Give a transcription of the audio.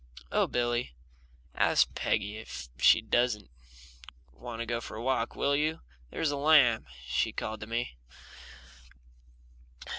"Oh, Billy, ask Peggy if she doesn't want to go for a walk, will you? There's a lamb," she called to me.